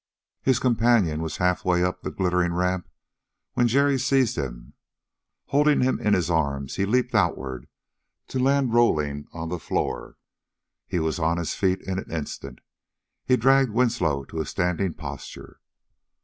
His companion was half way up the glittering ramp when Jerry seized him. Holding him in his arms, he leaped outward, to land rolling on the floor. He was on his feet in an instant. He dragged Winslow to a standing posture.